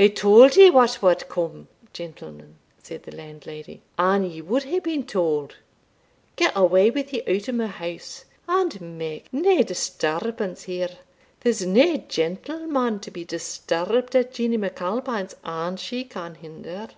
"I tauld ye what wad come, gentlemen," said the landlady, "an ye wad hae been tauld: get awa' wi' ye out o' my house, and make nae disturbance here there's nae gentleman be disturbed at Jeanie MacAlpine's an she can hinder.